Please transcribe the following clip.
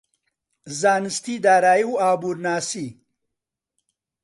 زانستی دارایی و ئابوورناسی